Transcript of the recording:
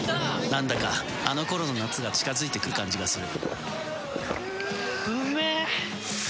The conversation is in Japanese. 何だか、あのころの夏が近づいてくる感じがする。